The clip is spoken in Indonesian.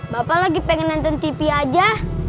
bapak lagi pengen nonton tv aja